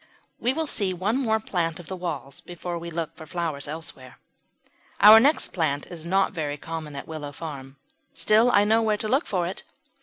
We will see one more plant of the walls before we look for flowers elsewhere. Our next plant is not very common at Willow Farm; still I know where to look for it.